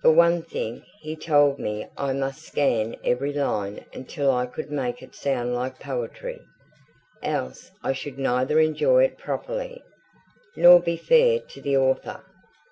For one thing, he told me I must scan every line until I could make it sound like poetry, else I should neither enjoy it properly, nor be fair to the author.